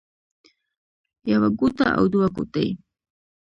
يوه ګوته او دوه ګوتې